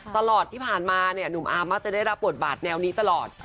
ตลอดที่ผ่านมาเนี่ยหนุ่มอาว่าจะได้รับปวดบาทเป็นนี้ตลอด